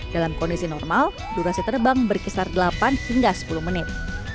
dalam kondisi normal durasi terbang berkisar delapan hingga sepuluh menit